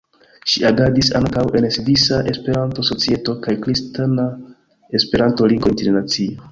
Ŝi agadis ankaŭ en Svisa Esperanto-Societo kaj Kristana Esperanto-Ligo Internacia.